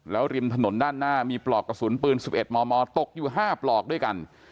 ริมถนนด้านหน้ามีปลอกกระสุนปืน๑๑มมตกอยู่๕ปลอกด้วยกัน